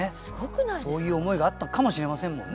そういう思いがあったかもしれませんもんね。